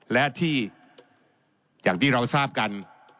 และที่อย่างที่เราทราบกัน